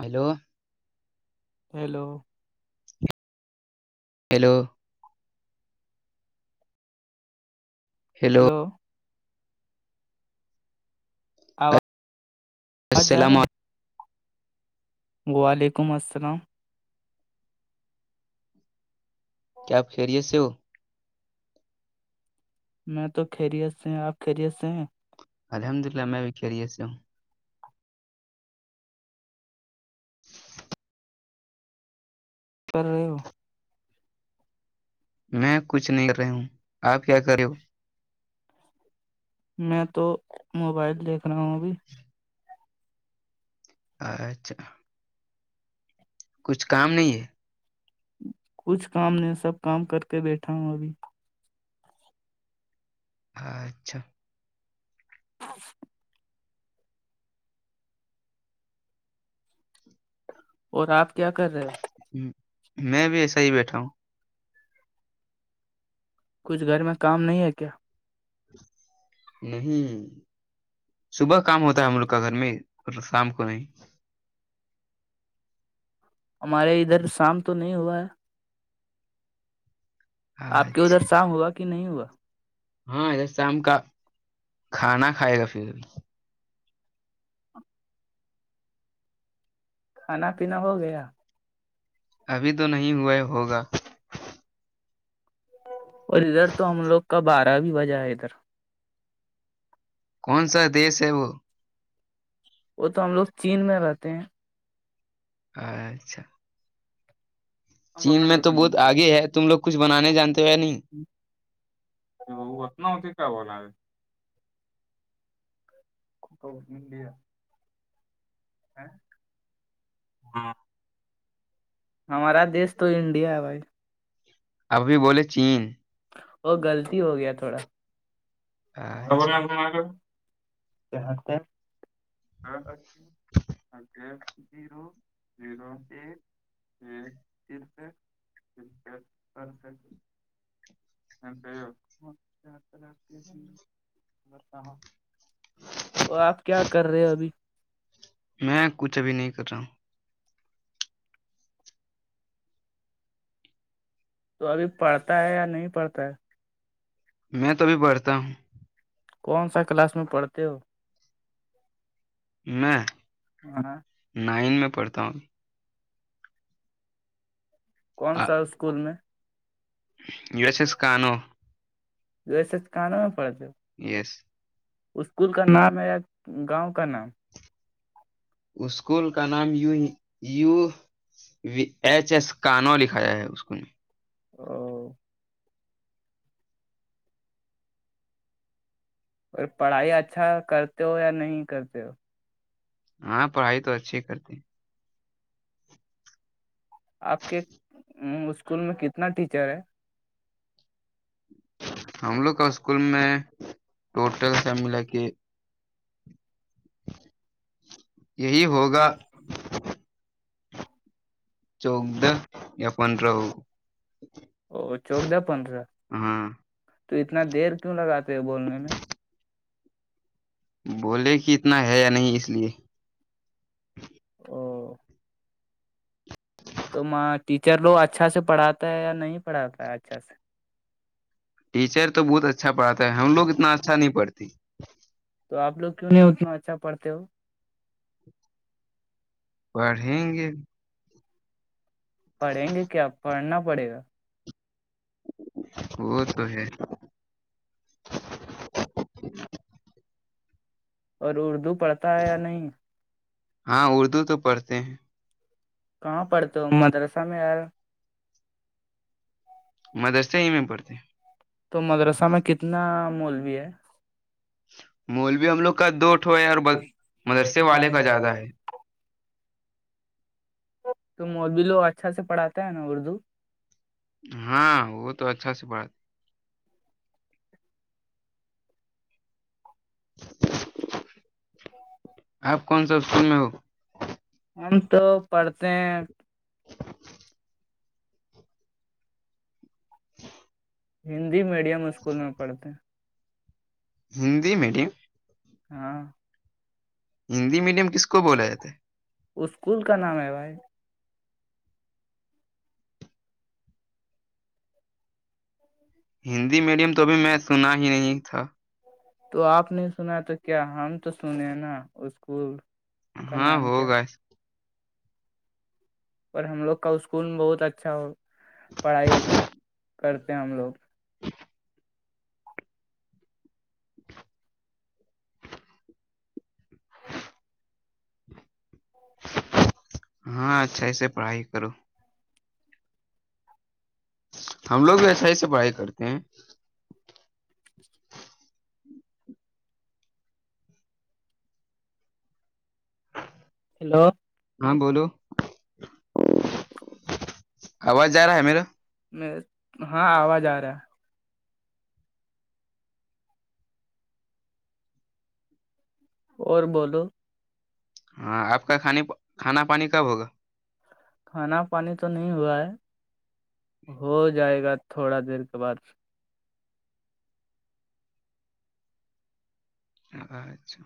hello hello hello heel [inaudible] تو [unintelligible] آواز آواز جا السلام رہے ہیں علیکم وعلیکم السلام کیا آپ خیریت سے ہو میں تو خیریت سے ہیں آپ خیریت سے ہیں الحمد اللہ میں بھیھیرییس ہوں کر رہے ہو میں کچھ نہیں کر رہی ہوں آپ کیا کر رہے ہو میں تو موبائل دیکھ رہا ہوں ابھی اچھا کچھ کام نہیں ہے کچھ کام نہیں سب کام کر کے بیٹھا ہوں ابھی اچھا اچ اور آپ کیا کر رہے ہیں ہوں میں بھی ایسا ہی بیٹھا ہوں کچھ گھر میں کام نہیں ہے کیا نہیں صبح کام ہوتا ہے ملک کا گھر میں شام کو نہیں ہمارے ادھر شام تو نہیں ہوا ہے آپ کے اچھا ادھر شام ہوا کہ نہیں ہوا ہاں شام کا کھانا کھائے گا پھر کھانا پینا ہو گیا ابھی تو نہیں ہوا ہوگا اور ادھر تو ہم لوگ کا بارہ بھی بجہ ہے ادھر کون سا دیش ہے وہ وہ تو ہم لوگ چین میں رہتے ہیں اچھا بول چین میں رہے تو بہت آگے ہے تم لوگ کچھ بنانے جانتے ہوئے نہیں وہ اتنا ہوتی کیا بولا ہے [unintelligible] ک مڈیا ہاں ہمارا دیس تو انڈیا بھائی اب بھی بولے چین اور غلط ہو گیا تھوڑا اچھا ہاں کیا اگ زیرو زیرو ایک ایک صرف اچ سر خ [unintelligible] [inaudible] تو آپ کیا کر رہے ہو ابھی میں کچھ ابھی نہیں کر رہا ہوں تو ابھی پڑھتا ہے یا نہیں پڑھتا ہے میں تو بھی پڑھتا ہوں کون سا کلاس میں پڑھتے ہو میں ہاں نائن میں پڑھتا ہوں کون سا اسکول میں یہ وس اس کاانو جو ایسے کانوں میں پڑتے ہو یس اسکول کا نام ہےا گاؤں کا نام اسکول کا نام ی یو ایچ ایس کانو لکھا جائے ہے اس ا [inaudible] اور پڑھائی اچھا کرتے ہو یا نہیں کرتے ہو ہاں پڑھائی تو اچھی کرتی آپ کے اسکول میں کتنا ٹیچر ہے ہم لوگ کا اسکول میں ٹوٹل ف ملا کے یہی ہوگا چوود د یان رہو او چوود دہ پندرہ تو اتنا دیر کیوں لگاتے ہیں بولنے میں بولے کہ اتنا ہے یا نہیں اس لیے ا تو ماں ٹیچر لو اچھا سے پڑھاتا ہے یا نہیں پڑھاتا ہے اچھا سے ٹیچر تو بہت اچھا پڑھا ہے ہم لوگ اتنا اچھا نہیں پڑھتی تو آ لوگ کیوں نہیں اتنا اچھا پڑھتے ہو پڑھیں گے پڑھیں گے کیا پڑھنا پڑے گا وہ تو ہے اور اردو پڑھتا ہے یا نہیں ہاں اردو تو پڑھتے ہیں کہاں پڑتے مدرسہ میں آار مدرستے ہی میں پڑتے تو مدرسہ میں کتنا مولوی ہے مول بھی ہم لوگ کا دوٹھو ہے اور مدرسے والے کا زیادہ ہے تو م بھی لو اچھا سے پڑھاتے ہے نا اردو ہاں وہ تو اچھا سے پڑھاتی آپ کون سا ا فول میں ہو ہم تو پڑھتے ہیں ہندی میڈیم اسکول میں پڑھتے ہیں ہندی میڈیم ہاں ہندی میڈیم کس کو بولا جاتا ہے اسکول کا نام ہے بھائی ہندی میڈیم تو بھی میں سنا ہی نہیں تھا تو آپ نے سنا تو کیا ہم تو سنے نا اسکول کا ہاں نام کیا ہوگا اور ہم لوگ کا اسکول بہت اچھا ہو پڑھائی کرتے ہیں ہم لوگ [unintelligible] ہاں اچھا ای سے پڑھائی کرو ہم لوگ وسا ہی سے پڑھائی کرتے ہیں ہیلو ہاں بولو آواز جا رہا ہے میرا میں ہاں آواز آ رہا ہے اور بولو ہاں آپ کا کھانے کھانا پانی کب ہوگا کھانا پانی تو نہیں ہوا ہے ہو جائے گا تھوڑا دیر کے بعد اچھا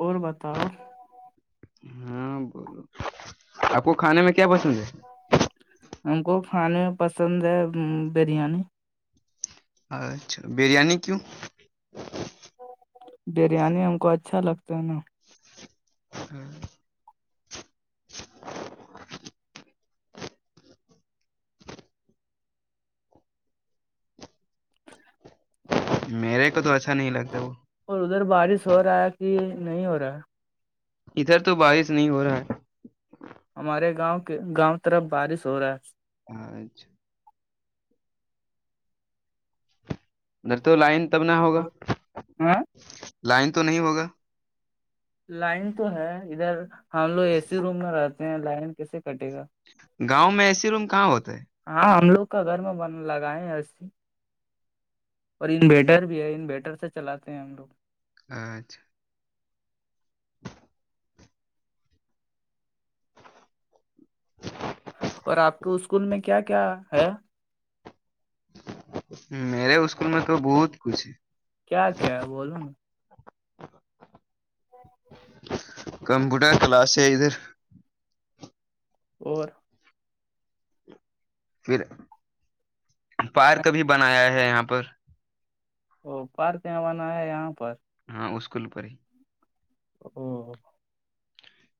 اور بتاؤ ہاں بولو آپ کو کھانے میں کیا پسند ہے ہم کو کھانے میں پسند ہے بریانی اچھا بریانی کیوں بریانی ہم کو اچھا لگتا ہے نا [unintelligible] میرے کو تو اچھا نہیں لگتا وہ اور ادھر بارش ہو رہا ہے کہ نہیں ہو رہا ادھر تو بارش نہیں ہو رہا ہے ہمارے گاؤں کے گاؤں طرف بارش ہو رہا ہے اچھا ارے تو ہے لائن تب نہ ہوگا ہاں لائن تو نہیں ہوگا لائن تو ہے ادھر ہم لوگ اے سی روم میں رہتے ہیں لائن کیسے کٹے گا گاؤں میں ایسی روم کہاں ہوتے ہے ہاں ہم لوگ کا گھر میں بنن لگا ہے ایی سی اور انویٹر بھی ہے انویٹر سے چلاتے ہیں ہم لوگ اچھا اور آپ کے اسکول میں کیا کیا ہے میرے اسکول میں تو بہت کچھ ہے کیا کیا بولوں کمپیوٹر کلاس ہے ادھر اور پھر پارک بھی بنایا ہے یہاں پر وہ پارکے بنایا ہے یہاں پر ہاں اسکول پر ہی ہمم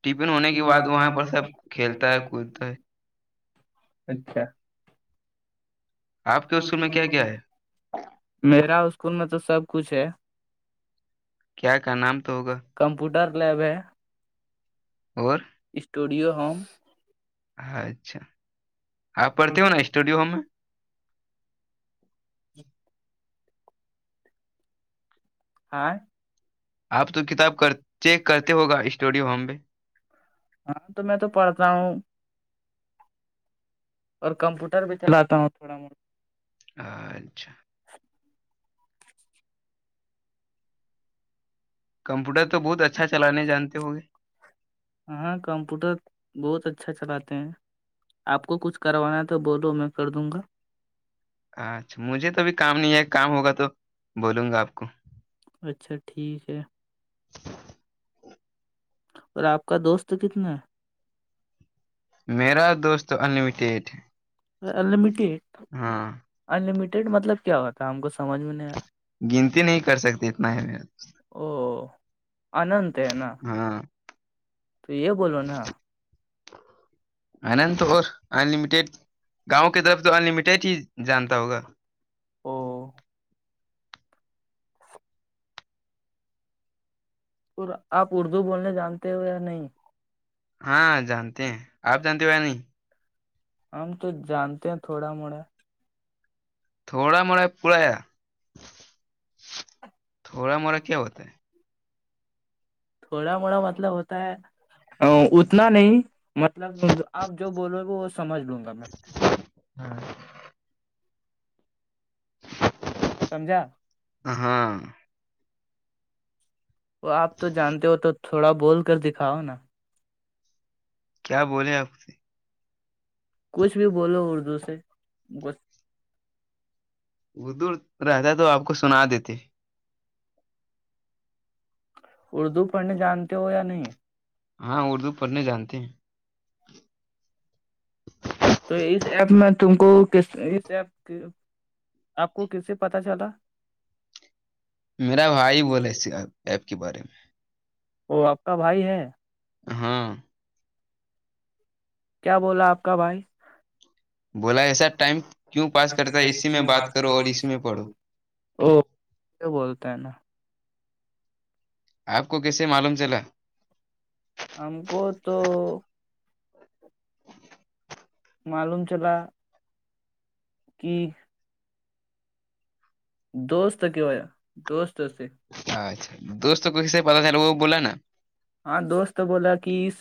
ٹفن ہونے کے بعد وہاں پر سب کھیلتا ہے کودتا ہے اچھا آپ کے اسکول میں کیا کیا ہے میرا اسکول میں تو سب کچھ ہے کیا کا نام تو ہوگا کمپیوٹر لیب ہے اور اسٹوڈیو ہوم اچھا آپ پڑھتے ہو نا اسٹوڈیو میں ہاں آپ تو کتاب کر چیک کرتے ہوگا اسٹوڈیو میں ہاں تو میں تو پڑھتا ہوں اور کمپوٹر بھی چلاتا ہوں تھوڑا بہت اچھا کمپیوٹر تو بہت اچھا چلانے جانتے ہو گے ہاں کمپیوٹر بہت اچھا چلاتے ہیں آپ کو کچھ کروانا ہے تو بولو میں کر دوں گا اچھا مجھے تو ابھی کام نہیں ہے کام ہوگا تو بولوں گا آپ کو اچھا ٹھیک ہے اور آپ کا دوست کتنا ہے میرا دوست انلیمیٹیڈ انٹیڈ انمیٹیڈ مطلب کیا ہوتا ہے ہم کو سمجھ میں نہیں آیا گنتی نہیں کر سکتی اتنا ہے او انت ہے نا ہاں تو یہ بولو نا آند تو اور ان لمیٹیڈ گاؤں کی طرف تو انلمیٹیڈ ہی جانتا ہوگا او اور آپ اردو بولنے جانتے ہو یا نہیں ہاں جانتے ہیں آپ جانتے ہو ب نہیں ہم تو جانتے ہیں تھوڑا موڑا تھوڑا مرے پورایا تھوڑا موڑا کیا ہوتا ہے تھوڑا موڑا مطلب ہوتا ہے ا اتنا نہیں مطلب آپ جو بولو گے وہ سمجھ لوں گا میں ہاں سمجھا ہاں وہ آپ تو جانتے ہو تو تھوڑا بول کر دکھاؤ نا کیا بولے آپ سے کچھ بھی بولو اردو سے ا دور رہتا تو آپ کو سنا دیتی اردو پڑھنے جانتے ہو یا نہیں ہاں اردو پڑھنے جانتے ہیں [inaudible] تو اس ایپ میں تم کو ک اس ایپ آپ کو کس سے پتا چلا میرا بھائی بولے ایپ کے بارے میں وہ آپ کا بھائی ہے ہاں کیا بولا آپ کا بھائی بولا ایسا ٹائم کیوں پاس کرتا ہے اسی میں بات کرو اور اسی میں پڑھو او کیا بولتے ہیں نا آپ کو کیسے معلوم چلا ہم کو تو معلوموم چلا کہ دوست کیا ہوا دوست سے اچھا دوستوں کو اس سے پتا چلے وہ بولا نا ہاں دوست بولا کہ اس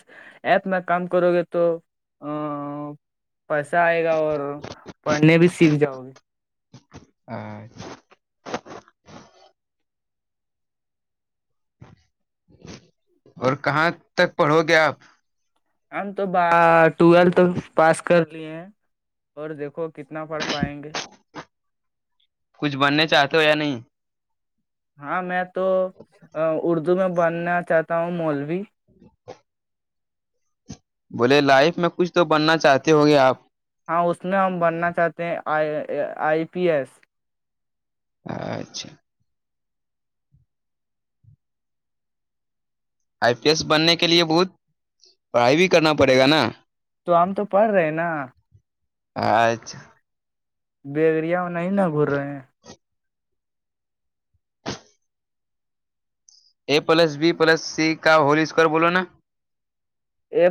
ایپ میں کام کرو گے تو ا پیسہ آئے گا اور پڑھنے بھی سیکھ جاؤ گے اچھا [unintelligible] اور کہاں تک پڑھو گے گے آپ ہم تو ب ٹویلتھ پاس کر لیے ہیں اور دیکھو کتنا پڑ پائیں گے کچھ بننے چاہتے ہو یا نہیں ہاں میں تو اردو میں بننا چاہتا ہوں مولوی [inaudible] بولے لائف میں کچھ تو بننا چاہتے ہو گے آپ ہاں اس میں ہم بننا چاہتے ہیں آئی آئی پی ایس اچھا آئی پی ایس بننے کے لیے بہت پڑھائی بھی کرنا پڑے گا نا تو ہم تو پڑھ رہے ہیں نا اجھ بیگڑیا نہیں نا گور رہے ہیں A plus B plus C کا ہول اسکوئر بولو نا